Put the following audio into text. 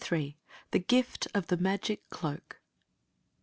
THE GIFT OF THE MAGIC CLOAK.